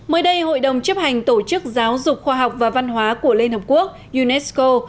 mới đây hội đồng chấp hành tổ chức giáo dục khoa học và văn hóa của liên hợp quốc unesco